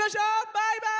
バイバイ！